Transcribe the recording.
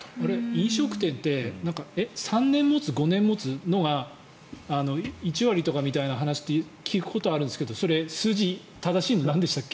飲食店って３年持つ、５年持つのが１割とかみたいな話って聞くことがあるんですけどその数字、正しいのなんでしたっけ？